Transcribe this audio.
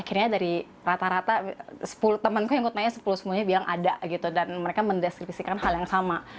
rata rata temenku yang ikut nanya sepuluh sepuluh nya bilang ada gitu dan mereka mendeskripsikan hal yang sama